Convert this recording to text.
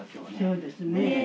そうですね。